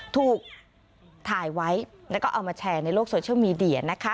ถูกถ่ายไว้แล้วก็เอามาแชร์ในโลกโซเชียลมีเดียนะคะ